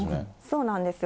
そうなんですよ。